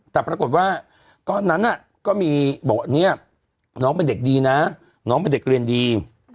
แต่ปรากฏว่าตอนนั้นก็มีบอกว่าเนี่ยน้องเป็นเด็กดีนะน้องเป็นเด็กเรียนดี